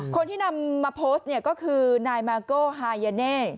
คนที่นำมาโพสต์ก็คือนายมาโก๊ฮายเน่